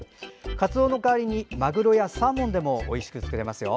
かつおの代わりにマグロやサーモンでも、おいしく作れます。